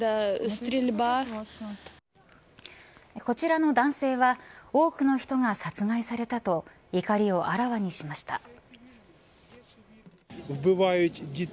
こちらの男性は多くの人が殺害されたと怒りをあらわにしました。